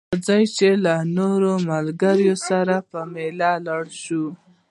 راځه چې له نورو ملګرو سره په ميله لاړ شو